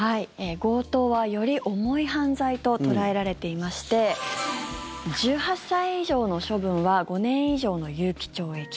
強盗は、より重い犯罪と捉えられていまして１８歳以上の処分は５年以上の有期懲役。